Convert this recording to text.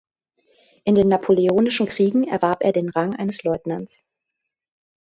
In den napoleonischen Kriegen erwarb er den Rang eines Leutnants.